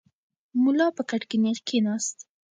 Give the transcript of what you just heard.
ملا په کټ کې نېغ کښېناست.